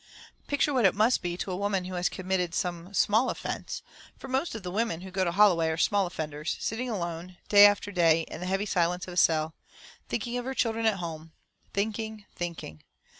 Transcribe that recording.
Picture what it must be to a woman who has committed some small offence, for most of the women who go to Holloway are small offenders, sitting alone, day after day, in the heavy silence of a cell thinking of her children at home thinking, thinking.